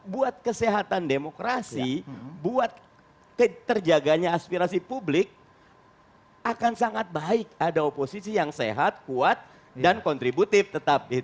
buat kesehatan demokrasi buat terjaganya aspirasi publik akan sangat baik ada oposisi yang sehat kuat dan kontributif